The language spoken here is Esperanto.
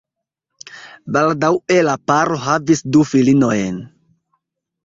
Baldaŭe la paro havis du filinojn.